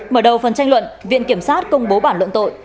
mở đầu phần tranh luận viện kiểm sát công bố bản luận tội